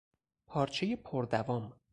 پارچهی پردوام